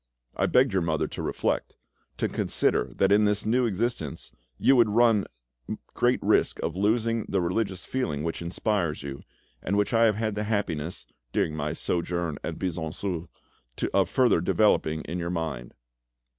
I begged your mother to reflect, to consider that in this new existence you would run great risk of losing the religious feeling which inspires you, and which I have had the happiness, during my sojourn at Buisson Souef, of further developing in your mind.